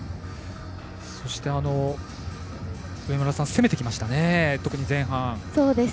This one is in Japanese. そして、上村さん攻めてきましたね、特に前半。